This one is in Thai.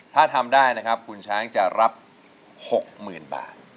ถ้าทำได้นะครับคุณช้างจะรับ๖๐๐๐บาท